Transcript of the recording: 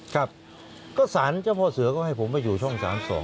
ครับก็สารเจ้าพ่อเสือก็ให้ผมไปอยู่ช่อง๓๒